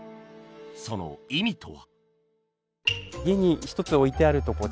その意味とは？